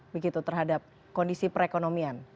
begitu terhadap kondisi perekonomian